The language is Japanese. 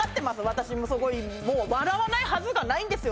私すごいもう笑わないはずがないんですよ